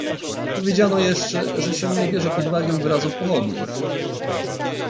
Powiedziano jeszcze, że się nie bierze pod uwagę wyrazów pochodnych.